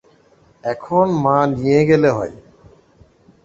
এখন মা নিয়ে গেলে হয়।